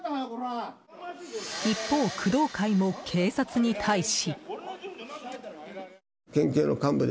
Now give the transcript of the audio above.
一方、工藤会も警察に対し。